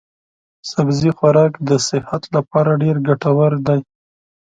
سبزي خوراک د صحت لپاره ډېر ګټور دی.